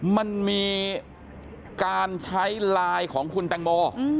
มันมีการใช้ไลน์ของคุณแตงโม